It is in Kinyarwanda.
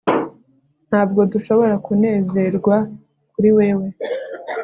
Ntabwo dushobora kunezerwa kuri wewe